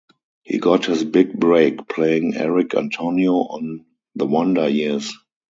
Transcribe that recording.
He got his big break playing Eric Antonio on "The Wonder Years".